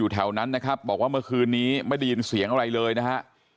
ตอนนี้ไม่ได้ยินเสียงอะไรเลยนะฮะ